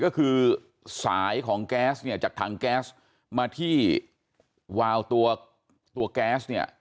ก็คือสายของแก๊สเนี่ยจากถังแก๊สมาที่วาวตัวตัวแก๊สเนี่ย